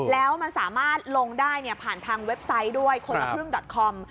แล้วมันสามารถลงได้ผ่านทางเว็บไซต์ด้วยคนละครึ่งดอตคอม